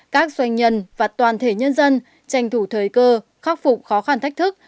các doanh nhân và toàn thể nhân dân tranh thủ thời cơ khắc phục khó khăn thách thức